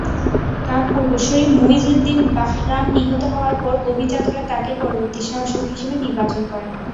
তার পূর্বসূরি মুইজউদ্দিন বাহরাম নিহত হওয়ার পর অভিজাতরা তাকে পরবর্তী শাসক হিসেবে নির্বাচন করে।